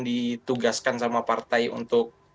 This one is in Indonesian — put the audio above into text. ditugaskan sama partai untuk